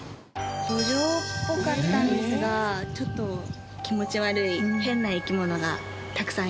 ドジョウっぽかったんですがちょっと気持ち悪い変な生き物がたくさんいました。